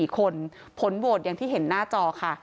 ๔คนผลโหวตอย่างที่เห็นหน้าจอค่ะ